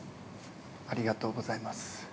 ・ありがとうございます。